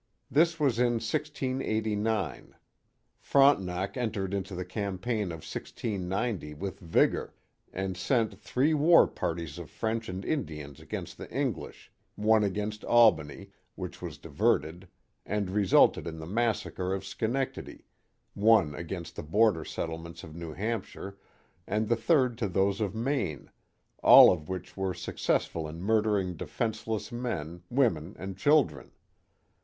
This was in 1689. Frontenac entered into the campaign of 1690 with vigor, and sent three war parties of French and Indians against the Eng lish, one against Albany, which was diverted, and resulted in the massacre of Schenectady, one against the border settle ments of New Hampshire, and the third to those of Maine, all of which were successful in murdering defenceless men, women, and children.